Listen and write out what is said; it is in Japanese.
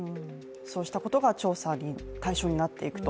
そうしたことが調査の対象になっていくと。